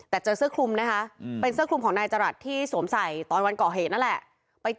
แต่เจอเสื้อคลุมนะฮะ